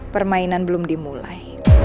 permainan belum dimulai